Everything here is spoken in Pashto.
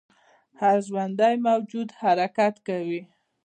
هر ژوندی موجود حرکت کوي